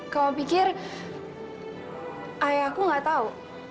kamu pikir ayah aku nggak tahu